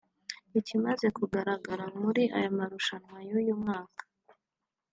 Ikimaze kugararaga muri aya marushanwa y’uyu mwaka